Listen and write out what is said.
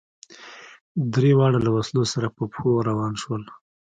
درېواړه له وسلو سره په پښو ور روان شول.